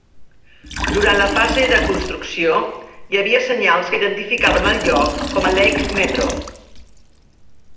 Durant la fase de construcció, hi havia senyals que identificaven el lloc com a Lake Metro.